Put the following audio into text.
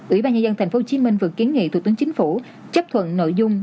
ủy ban nhân dân tp hcm vừa kiến nghị thủ tướng chính phủ chấp thuận nội dung